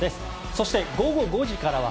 そして、午後５時からは